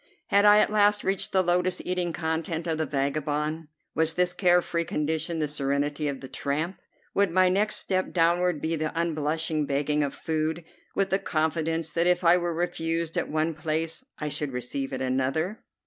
Had I at last reached the lotus eating content of the vagabond? Was this care free condition the serenity of the tramp? Would my next step downward be the unblushing begging of food, with the confidence that if I were refused at one place I should receive at another?